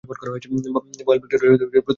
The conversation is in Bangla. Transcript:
বয়েল ভিক্টোরিয়ার প্রতিনিধিত্ব করেছেন।